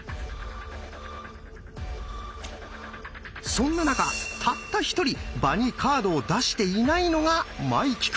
そんな中たった一人場にカードを出していないのが茉生くん。